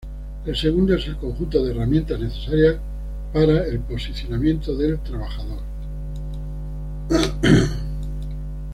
El segundo es el conjunto de herramientas necesarias para el posicionamiento del trabajador.